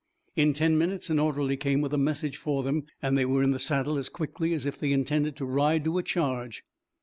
In ten minutes an orderly came with a message for them and they were in the saddle as quickly as if they intended to ride to a charge.